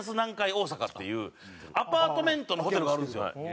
大阪っていうアパートメントのホテルがあるんですよ。